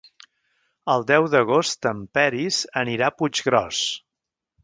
El deu d'agost en Peris anirà a Puiggròs.